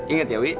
ingat ya wih